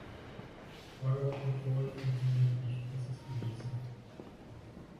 Eurocontrol funktioniert nicht, das ist bewiesen.